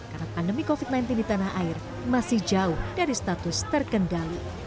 karena pandemi covid sembilan belas di tanah air masih jauh dari status terkendali